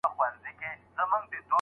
که مالونه ذخیره نه شي نو کمبود به راشي.